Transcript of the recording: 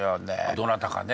どなたかね